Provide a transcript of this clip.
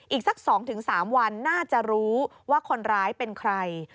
อีกสักสองถึงสามวันน่าจะรู้ว่าคนร้ายเป็นใคร